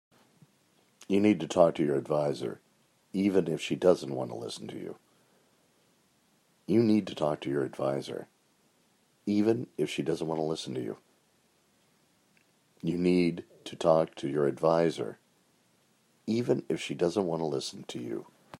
You need to talk to your adviser, even if she doesn't want to listen to you.